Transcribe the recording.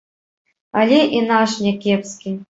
Але і наш някепскі.